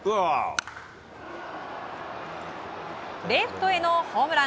レフトへのホームラン。